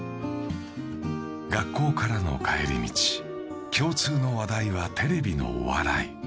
学校からの帰り道、共通の話題はテレビのお笑い。